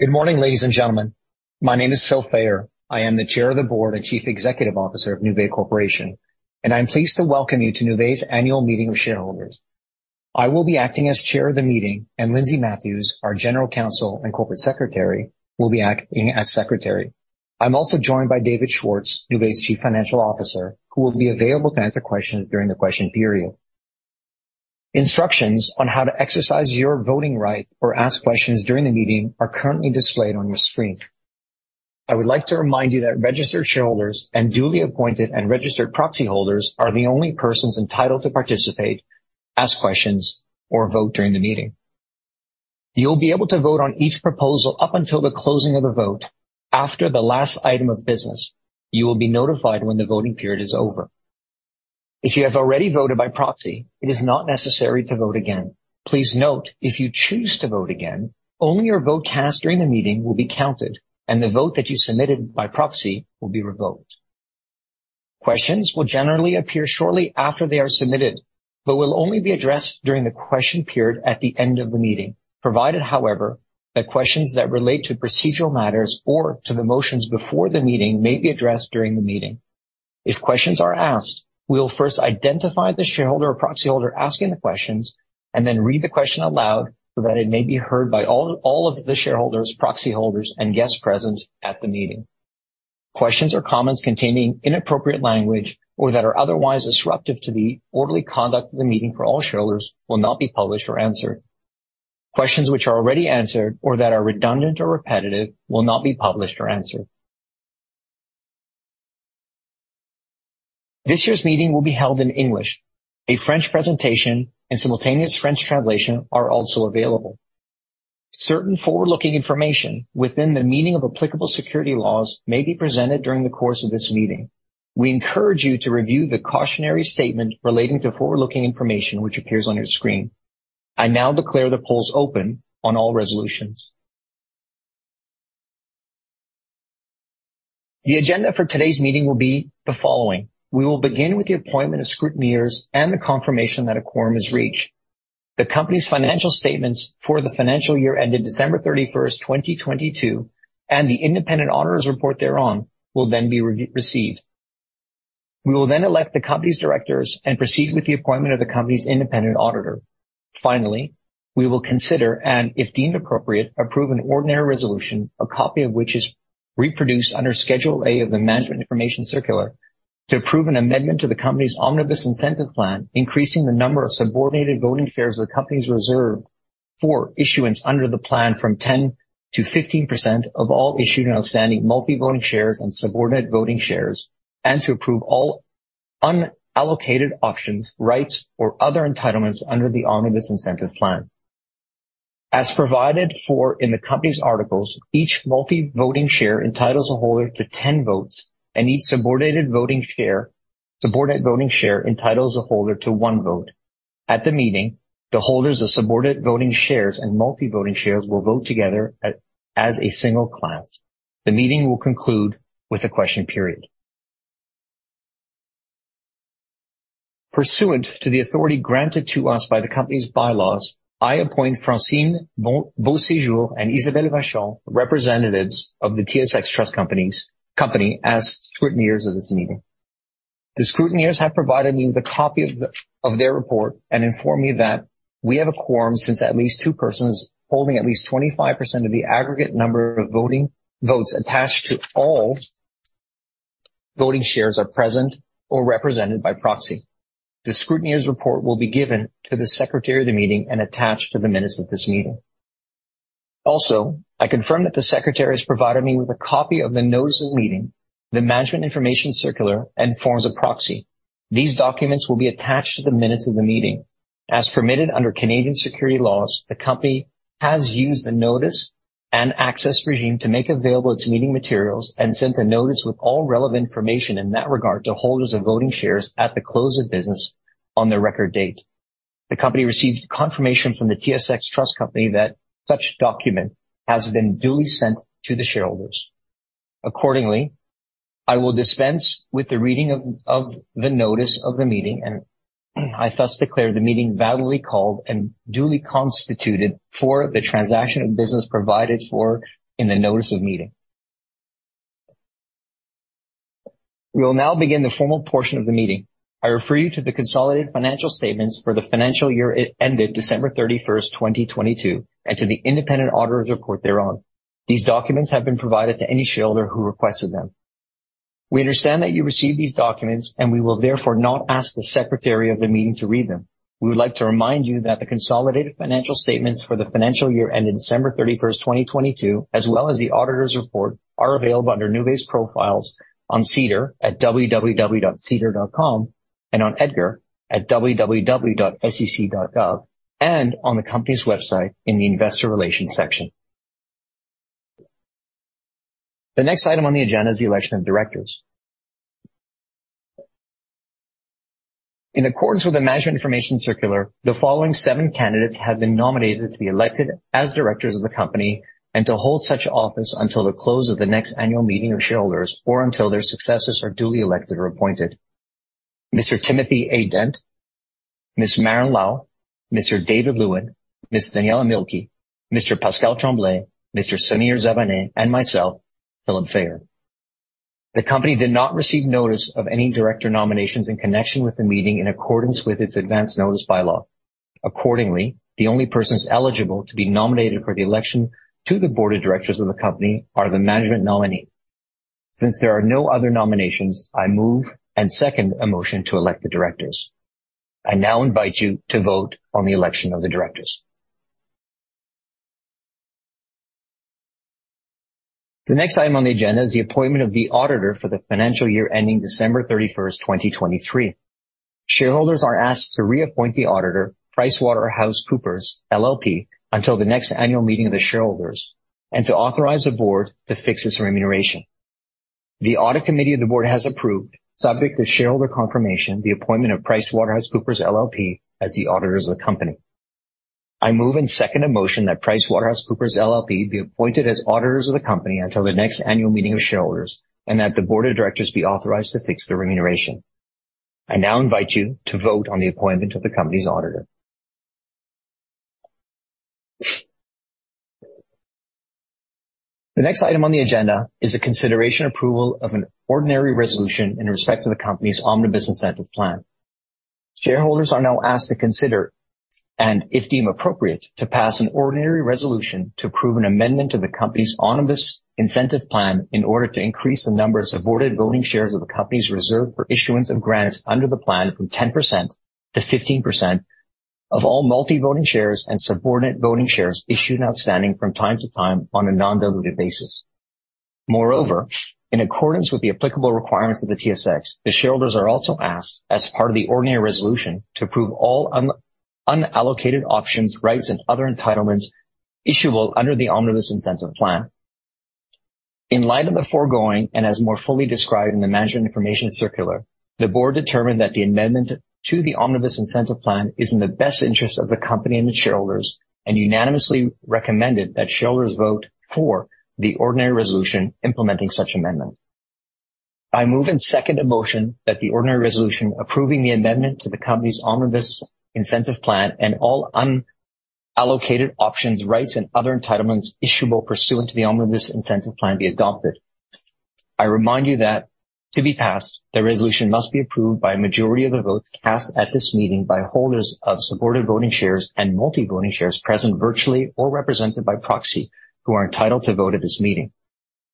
Good morning, ladies and gentlemen. My name is Philip Fayer. I am the Chair of the Board and Chief Executive Officer of Nuvei Corporation, and I'm pleased to welcome you to Nuvei's Annual Meeting of Shareholders. I will be acting as Chair of the meeting, and Lindsay Matthews, our General Counsel and Corporate Secretary, will be acting as secretary. I'm also joined by David Schwartz, Nuvei's Chief Financial Officer, who will be available to answer questions during the question period. Instructions on how to exercise your voting right or ask questions during the meeting are currently displayed on your screen. I would like to remind you that registered shareholders and duly appointed and registered proxy holders are the only persons entitled to participate, ask questions, or vote during the meeting. You'll be able to vote on each proposal up until the closing of the vote. After the last item of business, you will be notified when the voting period is over. If you have already voted by proxy, it is not necessary to vote again. Please note, if you choose to vote again, only your vote cast during the meeting will be counted, and the vote that you submitted by proxy will be revoked. Questions will generally appear shortly after they are submitted, but will only be addressed during the question period at the end of the meeting. Provided, however, that questions that relate to procedural matters or to the motions before the meeting may be addressed during the meeting. If questions are asked, we will first identify the shareholder or proxy holder asking the questions and then read the question aloud so that it may be heard by all, all of the shareholders, proxy holders, and guests present at the meeting. Questions or comments containing inappropriate language or that are otherwise disruptive to the orderly conduct of the meeting for all shareholders will not be published or answered. Questions which are already answered or that are redundant or repetitive will not be published or answered. This year's meeting will be held in English. A French presentation and simultaneous French translation are also available. Certain forward-looking information within the meaning of applicable securities laws may be presented during the course of this meeting. We encourage you to review the cautionary statement relating to forward-looking information, which appears on your screen. I now declare the polls open on all resolutions. The agenda for today's meeting will be the following. We will begin with the appointment of scrutineers and the confirmation that a quorum is reached. The company's financial statements for the financial year ended December 31, 2022, and the independent auditor's report thereon will then be received. We will then elect the company's directors and proceed with the appointment of the company's independent auditor. Finally, we will consider and, if deemed appropriate, approve an ordinary resolution, a copy of which is reproduced under Schedule A of the Management Information Circular, to approve an amendment to the company's Omnibus Incentive Plan, increasing the number of subordinate voting shares the company's reserved for issuance under the plan from 10%-15% of all issued and outstanding Multi-voting shares and subordinate voting shares, and to approve all unallocated options, rights, or other entitlements under the Omnibus Incentive Plan. As provided for in the company's articles, each multi-voting share entitles a holder to 10 votes, and each subordinate voting share entitles a holder to one vote. At the meeting, the holders of subordinate voting shares and multi-voting shares will vote together as a single class. The meeting will conclude with a question period. Pursuant to the authority granted to us by the company's bylaws, I appoint Francine Beauséjour and Isabelle Vachon, representatives of the TSX Trust Company, as scrutineers of this meeting. The scrutineers have provided me with a copy of their report and informed me that we have a quorum, since at least two persons holding at least 25% of the aggregate number of votes attached to all voting shares are present or represented by proxy. The scrutineer's report will be given to the secretary of the meeting and attached to the minutes of this meeting. Also, I confirm that the secretary has provided me with a copy of the notice of meeting, the Management Information Circular, and forms of proxy. These documents will be attached to the minutes of the meeting. As permitted under Canadian securities laws, the company has used the notice and access regime to make available its meeting materials and sent a notice with all relevant information in that regard to holders of voting shares at the close of business on the record date. The company received confirmation from the TSX Trust Company that such document has been duly sent to the shareholders. Accordingly, I will dispense with the reading of the notice of the meeting, and I thus declare the meeting validly called and duly constituted for the transaction of business provided for in the notice of meeting. We will now begin the formal portion of the meeting. I refer you to the consolidated financial statements for the financial year that ended December 31, 2022, and to the independent auditor's report thereon. These documents have been provided to any shareholder who requested them. We understand that you received these documents, and we will therefore not ask the secretary of the meeting to read them. We would like to remind you that the consolidated financial statements for the financial year ended December 31, 2022, as well as the auditor's report, are available under Nuvei's profiles on SEDAR at www.sedar.com and on EDGAR at www.sec.gov, and on the company's website in the investor relations section. The next item on the agenda is the election of directors. In accordance with the Management Information Circular, the following seven candidates have been nominated to be elected as directors of the company and to hold such office until the close of the next annual meeting of shareholders, or until their successors are duly elected or appointed. Mr. Timothy A. Dent, Ms. Maren Lau, Mr. David Lewin, Ms. Daniela Mielke, Mr. Pascal Tremblay, Mr. Samir Zabaneh, and myself, Philip Fayer. The company did not receive notice of any director nominations in connection with the meeting in accordance with its advance notice bylaw. Accordingly, the only persons eligible to be nominated for the election to the board of directors of the company are the management nominee. Since there are no other nominations, I move and second a motion to elect the directors. I now invite you to vote on the election of the directors. The next item on the agenda is the appointment of the auditor for the financial year ending December 31, 2023. Shareholders are asked to reappoint the auditor, PricewaterhouseCoopers LLP, until the next annual meeting of the shareholders, and to authorize the board to fix its remuneration. The audit committee of the board has approved, subject to shareholder confirmation, the appointment of PricewaterhouseCoopers LLP, as the auditors of the company. I move and second a motion that PricewaterhouseCoopers LLP be appointed as auditors of the company until the next annual meeting of shareholders, and that the board of directors be authorized to fix the remuneration. I now invite you to vote on the appointment of the company's auditor. The next item on the agenda is a consideration approval of an ordinary resolution in respect to the company's Omnibus Incentive Plan. Shareholders are now asked to consider, and if deemed appropriate, to pass an ordinary resolution to approve an amendment to the company's Omnibus Incentive Plan in order to increase the number of subordinate voting shares of the company's reserve for issuance of grants under the plan from 10% to 15% of all multi-voting shares and subordinate voting shares issued and outstanding from time to time on a non-diluted basis. Moreover, in accordance with the applicable requirements of the TSX, the shareholders are also asked, as part of the ordinary resolution, to approve all unallocated options, rights, and other entitlements issuable under the Omnibus Incentive Plan. In light of the foregoing, and as more fully described in the Management Information Circular, the board determined that the amendment to the Omnibus Incentive Plan is in the best interest of the company and its shareholders, and unanimously recommended that shareholders vote for the ordinary resolution implementing such amendment. I move and second a motion that the ordinary resolution approving the amendment to the company's Omnibus Incentive Plan and all unallocated options, rights, and other entitlements issuable pursuant to the Omnibus Incentive Plan be adopted. I remind you that to be passed, the resolution must be approved by a majority of the votes cast at this meeting by holders of subordinate voting shares and multi-voting shares present, virtually or represented by proxy, who are entitled to vote at this meeting,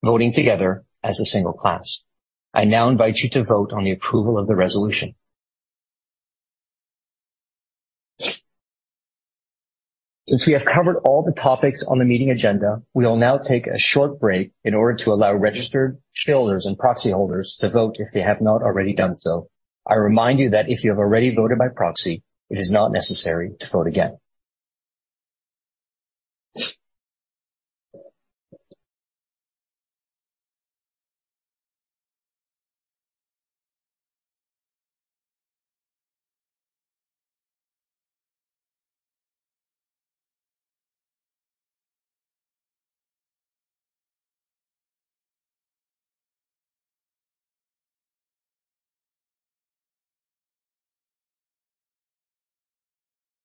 voting together as a single class. I now invite you to vote on the approval of the resolution. Since we have covered all the topics on the meeting agenda, we will now take a short break in order to allow registered shareholders and proxy holders to vote if they have not already done so. I remind you that if you have already voted by proxy, it is not necessary to vote again.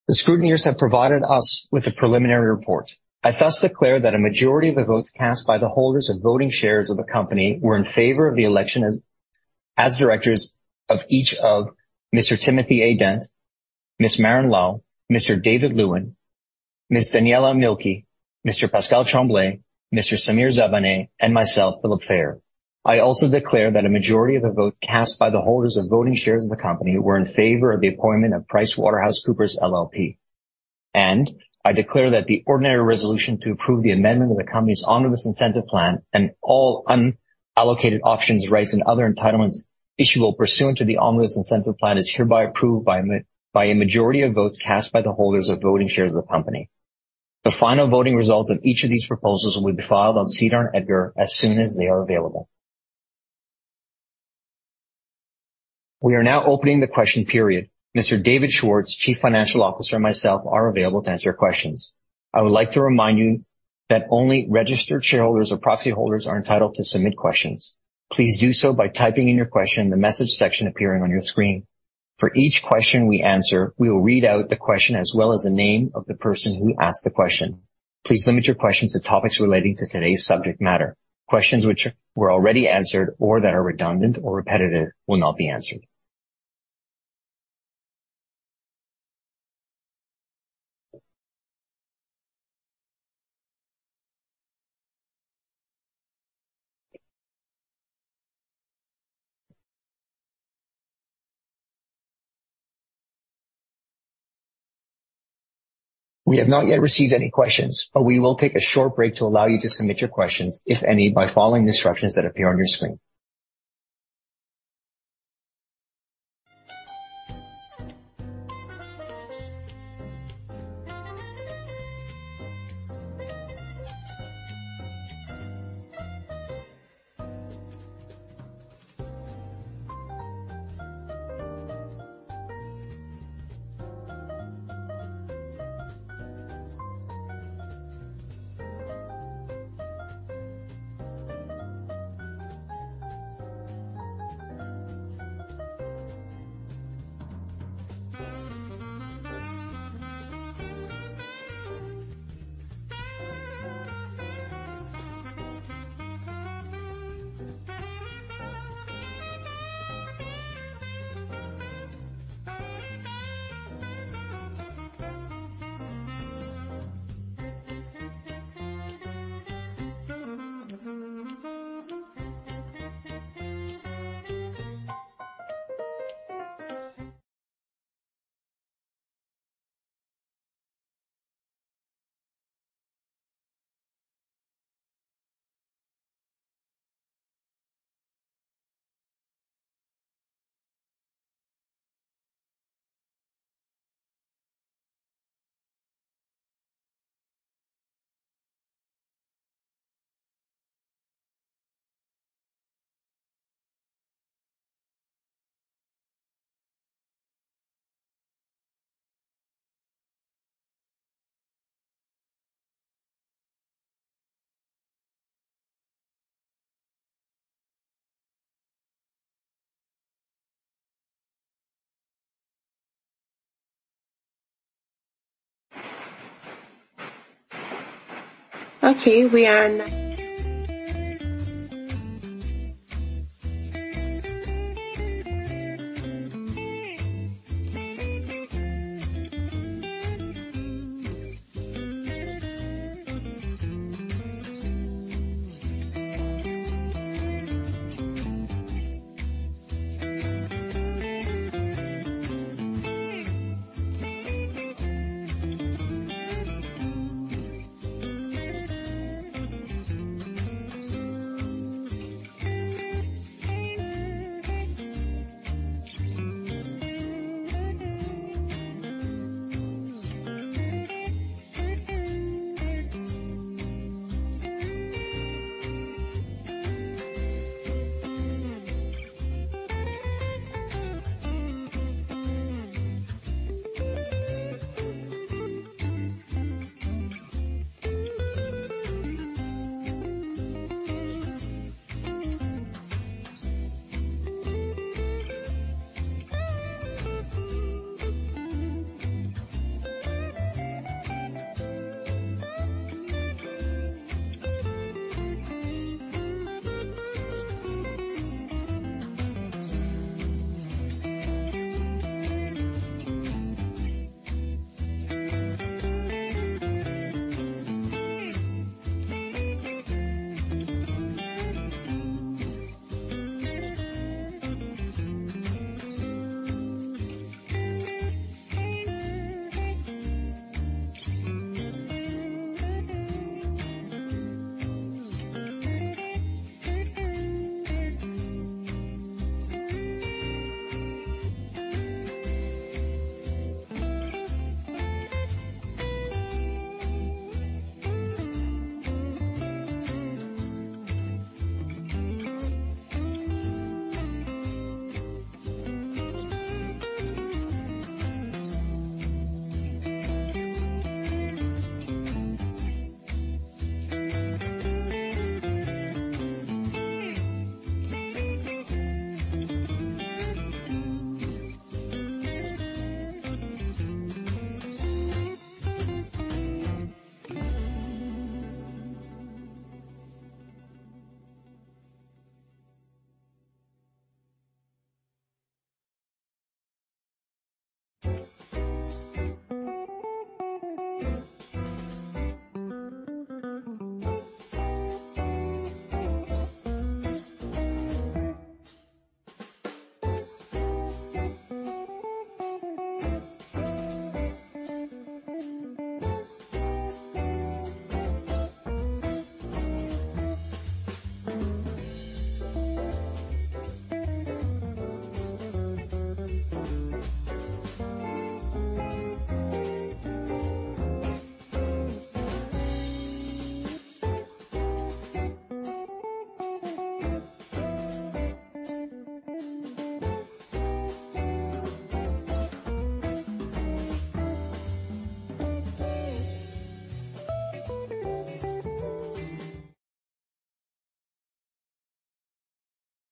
The scrutineers have provided us with a preliminary report. I thus declare that a majority of the votes cast by the holders of voting shares of the company were in favor of the election as directors of each of Mr. Timothy A. Dent, Ms. Maren Lau, Mr. David Lewin, Ms. Daniela Mielke, Mr. Pascal Tremblay, Mr. Samir Zabaneh, and myself, Philip Fayer. I also declare that a majority of the votes cast by the holders of voting shares of the company were in favor of the appointment of PricewaterhouseCoopers LLP. I declare that the ordinary resolution to approve the amendment of the company's Omnibus Incentive Plan and all unallocated options, rights, and other entitlements issuable pursuant to the Omnibus Incentive Plan is hereby approved by a majority of votes cast by the holders of voting shares of the company. The final voting results of each of these proposals will be filed on SEDAR and EDGAR as soon as they are available. We are now opening the question period. Mr. David Schwartz, Chief Financial Officer, and myself are available to answer questions. I would like to remind you that only registered shareholders or proxy holders are entitled to submit questions. Please do so by typing in your question in the message section appearing on your screen. For each question we answer, we will read out the question as well as the name of the person who asked the question. Please limit your questions to topics relating to today's subject matter. Questions which were already answered or that are redundant or repetitive will not be answered. We have not yet received any questions, but we will take a short break to allow you to submit your questions, if any, by following the instructions that appear on your screen.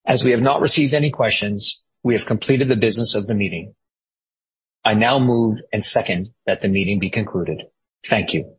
As we have not received any questions, we have completed the business of the meeting. I now move and second that the meeting be concluded. Thank you.